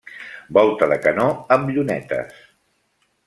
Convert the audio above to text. Volta de canó amb llunetes.